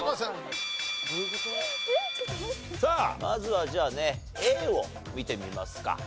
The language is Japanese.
まずはじゃあねＡを見てみますか。